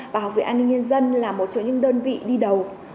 và học viện an ninh nhân dân là một trong những đơn vị đi đầu